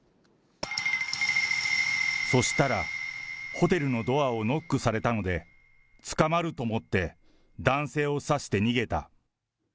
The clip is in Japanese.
そしたら、ホテルのドアをノックされたので、捕まると思って、男性を刺して逃げた。